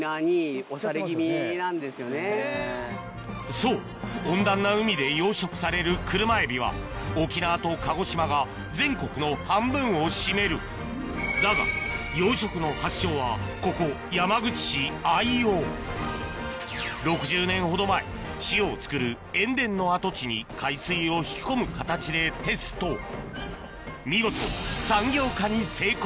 そう温暖な海で養殖される車海老は沖縄と鹿児島が全国の半分を占めるだが６０年ほど前塩を作る塩田の跡地に海水を引き込む形でテスト見事産業化に成功